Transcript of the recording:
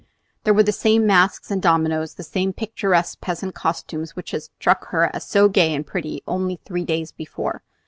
There were the same masks and dominos, the same picturesque peasant costumes which had struck her as so gay and pretty only three days before.